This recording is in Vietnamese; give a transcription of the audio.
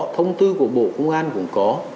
thông tư của bộ công an cũng có